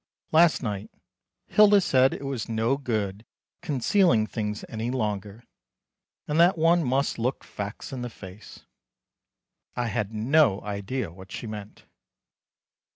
Last night Hilda said it was no good concealing things any longer, and that one must look facts in the face. I had no idea what she meant.